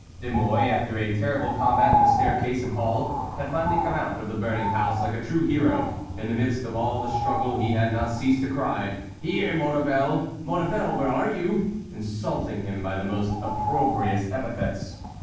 De Mouy, after a terrible combat in the staircase and hall, had finally come out of the burning house like a true hero. In the midst of all the struggle he had not ceased to cry, "Here, Maurevel!—Maurevel, where are you?" insulting him by the most opprobrious epithets.